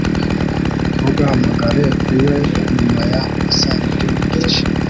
Ntugahamagare iwe nyuma ya saa mbiri n'igice